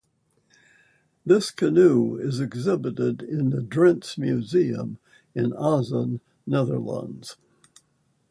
This canoe is exhibited in the Drents Museum in Assen, Netherlands.